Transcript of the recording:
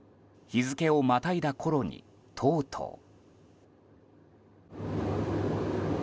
日付をまたいだころにとうとう。